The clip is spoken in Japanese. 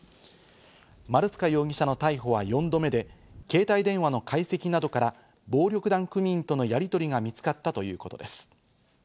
丸塚容疑者の逮捕は４度目で、携帯電話の解析などから、暴力団組員とのやりとりが見つかったということです。